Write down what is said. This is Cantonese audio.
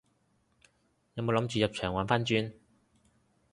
有冇諗住入場玩番轉？